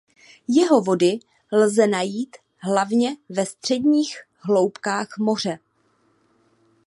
Jeho vody lze najít hlavně ve středních hloubkách moře.